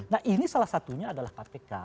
nah ini salah satunya adalah kpk